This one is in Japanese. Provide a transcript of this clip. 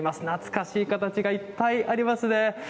懐かしい形がいっぱいありますね。